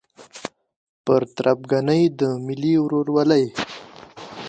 پر تربګنۍ د ملي ورورولۍ